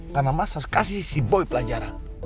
karena mas harus kasih si boy pelajaran